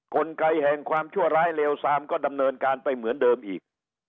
กลไกแห่งความชั่วร้ายเลวซามก็ดำเนินการไปเหมือนเดิมอีก